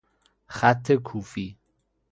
خط کوفی